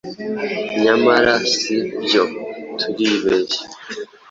nyamara si byo turibeshya